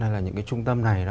hay là những cái trung tâm này